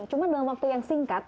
cuma dalam waktu yang singkat